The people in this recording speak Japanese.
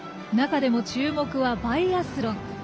中でも注目はバイアスロン。